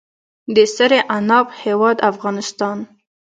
د سرې عناب هیواد افغانستان.